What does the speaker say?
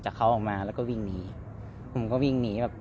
เวลาที่สุดตอนที่สุด